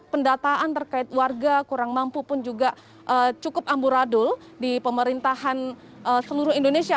pendataan terkait warga kurang mampu pun juga cukup amburadul di pemerintahan seluruh indonesia